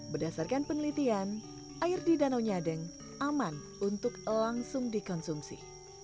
berdasarkan penelitian air di danau nyadeng aman untuk langsung dikonsumsi